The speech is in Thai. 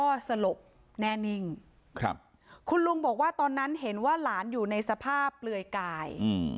สลบแน่นิ่งครับคุณลุงบอกว่าตอนนั้นเห็นว่าหลานอยู่ในสภาพเปลือยกายอืม